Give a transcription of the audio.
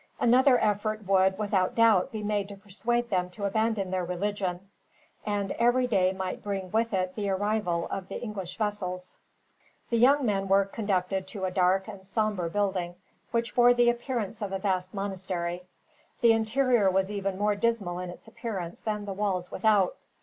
Another effort would, without doubt, be made to persuade them to abandon their religion; and every day might bring with it the arrival of the English vessels. The young men were conducted to a dark and sombre building, which bore the appearance of a vast monastery. The interior was even more dismal in its appearance than the walls without.